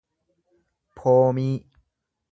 poomii